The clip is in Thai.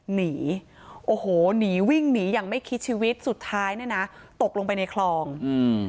หนีโอ้โหหนีวิ่งหนีอย่างไม่คิดชีวิตสุดท้ายเนี่ยนะตกลงไปในคลองอืม